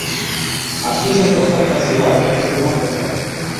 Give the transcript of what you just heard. Анфисӹн остатка силажы пӹтенок пӹтӓ.